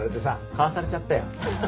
買わされちゃったよアハハ。